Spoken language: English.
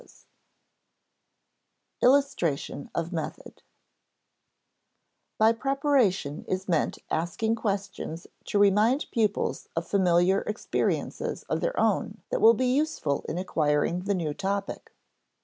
[Sidenote: Illustration of method] By preparation is meant asking questions to remind pupils of familiar experiences of their own that will be useful in acquiring the new topic.